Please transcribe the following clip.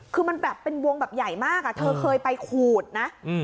คือมันแบบเป็นวงแบบใหญ่มากเธอเคยไปขูดนะ